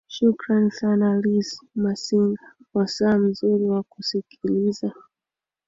shukrani sana liz masinga wasaa mzuri wa kusikiliza